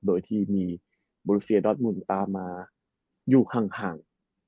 โดยที่มีบูริเซียดอสมุนตามมาอยู่ห่าง